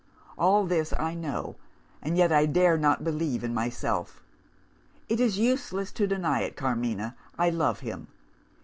All this I know, and yet I dare not believe in myself. It is useless to deny it, Carmina I love him.